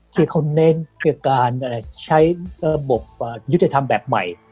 ที่เขาเน้นคือการใช้ระบบยุติธรรมแบบใหม่